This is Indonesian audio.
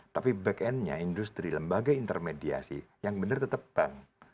tapi back end nya industri lembaga intermediasi yang benar tetap bank